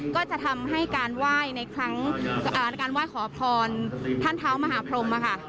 ก็จะทำให้การไหว้ขอพรท่านเท้ามหาพรมค่ะ